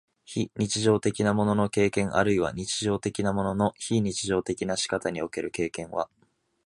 非日常的なものの経験あるいは日常的なものの非日常的な仕方における経験は、